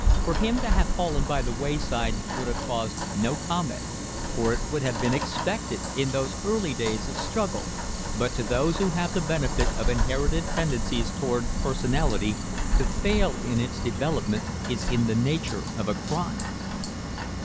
For him to have fallen by the wayside would have caused no comment for it would have been expected in those early days of struggle, but to those who have the benefit of inherited tendencies toward personality, to fail in its development is in the nature of a crime.